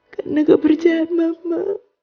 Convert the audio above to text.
karena aku percaya sama mama